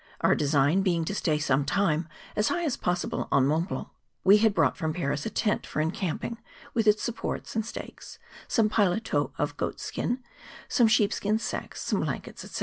Our design being to stay some time as high as possible on Mont Blanc, we had brought from Paris a tent for encamping, with its supports and stakes, some paletots of goats' skin, some sheep¬ skin sacks, some blankets, &c.